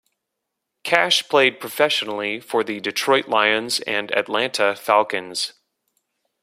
Cash played professionally for the Detroit Lions and Atlanta Falcons.